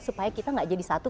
supaya kita gak jadi satu